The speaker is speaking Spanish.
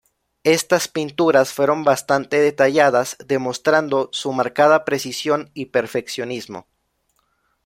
Estas pinturas fueron bastante detalladas, demostrando su marcada precisión y perfeccionismo.